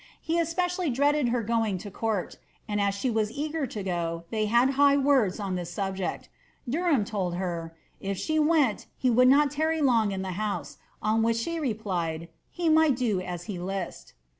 He especially dreaded her going to court ; and as she wu eager to go, they had high words on this subject Deiham told her, ^ if she went, he would not tarry long in the house ; on which ibe replied, " he might do as he list."